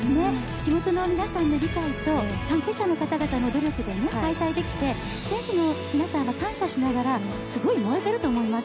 地元の皆さんの理解と関係者の方々の理解で開催できて選手の皆さんは感謝しながら、すごい燃えてると思います。